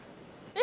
え！